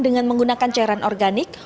dengan menggunakan cairan organik